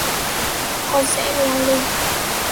Con sẽ leo lên